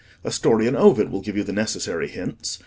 A story in Ovid will give you the necessary hints.